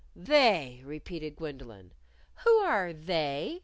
"'They,'" repeated Gwendolyn. "Who are 'They'?